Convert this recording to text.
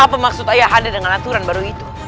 apa maksud ayah hadir dengan aturan baru itu